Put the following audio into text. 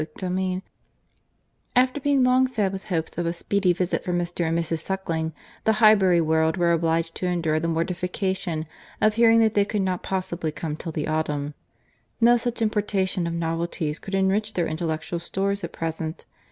CHAPTER VI After being long fed with hopes of a speedy visit from Mr. and Mrs. Suckling, the Highbury world were obliged to endure the mortification of hearing that they could not possibly come till the autumn. No such importation of novelties could enrich their intellectual stores at present.